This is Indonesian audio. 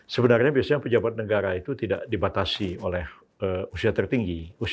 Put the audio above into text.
sebenarnya biasanya pejabat negara itu tidak dibatasi oleh usia tertinggi